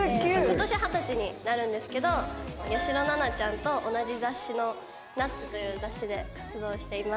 今年二十歳になるんですけど８４６７ちゃんと同じ雑誌の『ｎｕｔｓ』という雑誌で活動しています。